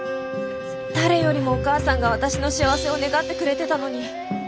誰よりもお母さんが私の幸せを願ってくれてたのに。